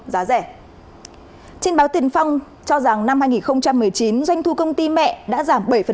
trên báo tiền phong cho rằng năm hai nghìn một mươi chín doanh thu công ty mẹ đã giảm